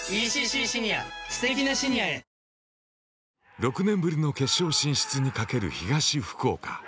６年ぶりの決勝進出にかける東福岡。